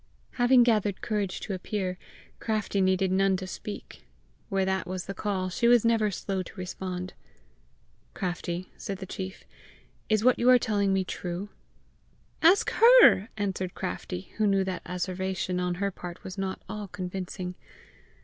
Having gathered courage to appear, Craftie needed none to speak: where that was the call, she was never slow to respond. "Craftie," said the chief, "is what you are telling me true?" "Ask HER," answered Craftie, who knew that asseveration on her part was not all convincing.